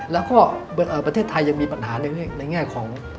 แล้วก็ประเทศไทยยังมีปัญหาในแง่ของ